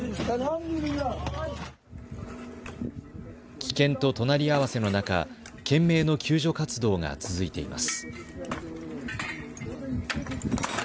危険と隣り合わせの中、懸命の救助活動が続いています。